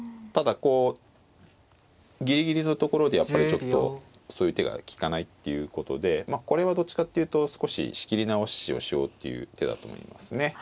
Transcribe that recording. ただこうギリギリのところでやっぱりちょっとそういう手が利かないっていうことでまあこれはどっちかっていうと少し仕切り直しをしようっていう手だと思いますね。